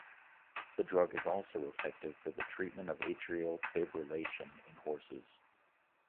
The drug is also effective for the treatment of atrial fibrillation in horses.